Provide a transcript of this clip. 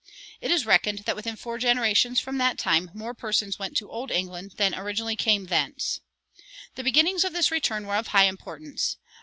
It is reckoned that within four generations from that time more persons went to old England than originally came thence. The beginnings of this return were of high importance.